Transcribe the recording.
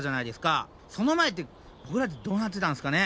その前ってボクらってどうなってたんですかね？